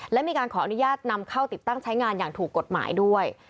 และมีการขออนุญาตนำเข้าติดตั้งใช้งานอย่างถูกกฎหมายด้วย